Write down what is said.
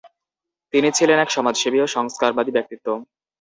তিনি ছিলেন এক সমাজসেবী ও সংস্কারবাদী ব্যক্তিত্ব।